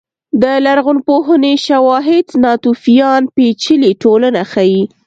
د لرغونپوهنې شواهد ناتوفیان پېچلې ټولنه ښيي.